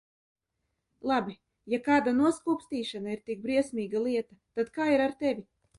Labi, ja kāda noskūpstīšana ir tik briesmīga lieta, tad kā ir ar tevi?